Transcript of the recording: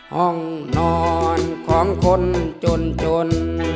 ห้องนอนของคนจนจน